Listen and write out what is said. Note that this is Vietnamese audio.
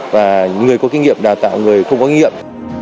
và người có kinh nghiệm đào tạo người không có kinh nghiệm